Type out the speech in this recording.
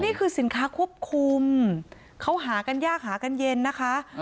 นี่คือสินค้าควบคุมเขาหากันยากหากันเย็นนะคะ